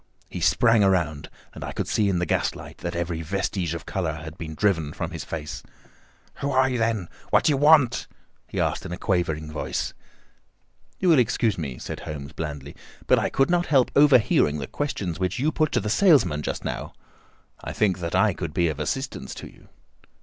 He sprang round, and I could see in the gas light that every vestige of colour had been driven from his face. "Who are you, then? What do you want?" he asked in a quavering voice. "You will excuse me," said Holmes blandly, "but I could not help overhearing the questions which you put to the salesman just now. I think that I could be of assistance to you."